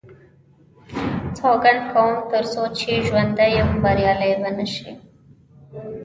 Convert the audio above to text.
سوګند کوم تر څو چې ژوندی یم بریالی به نه شي.